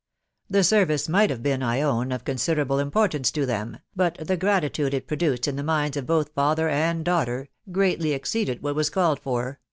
The service might hive been, I own, of considerable importance to them, but the gra titude it produced in the minds of both father and daughter, greatly exceeded what was called for